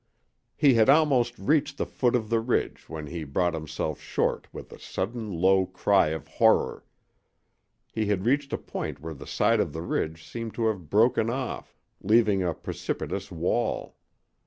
He had almost reached the foot of the ridge when he brought himself short with a sudden low cry of horror. He had reached a point where the side of the ridge seemed to have broken off, leaving a precipitous wall.